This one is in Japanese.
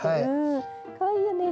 かわいいよね。